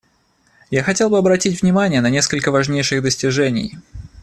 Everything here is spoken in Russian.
Я хотел бы обратить внимание на несколько важнейших достижений.